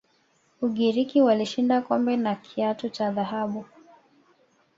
ugiriki walishinda kombe na kiatu cha dhahabu